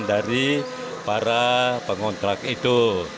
dari para pengontrak itu